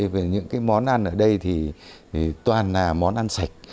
về những cái món ăn ở đây thì toàn là món ăn sạch